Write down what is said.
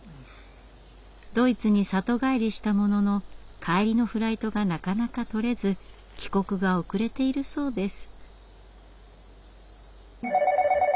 ドイツに里帰りしたものの帰りのフライトがなかなか取れず帰国が遅れているそうです。